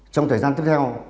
trong thời gian tiếp theo